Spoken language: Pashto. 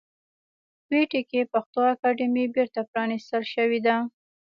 کوټې کې پښتو اکاډمۍ بیرته پرانیستل شوې ده